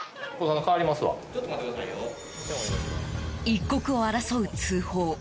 一刻を争う通報。